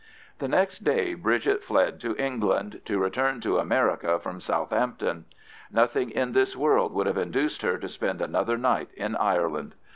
The next day Bridget fled to England, to return to America from Southampton. Nothing in this world would have induced her to spend another night in Ireland.